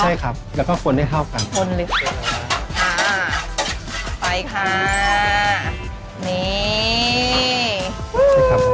ใช่ครับแล้วก็ผลให้เข้ากันผลลึกอ่าไปค่ะนี่ใช่ครับ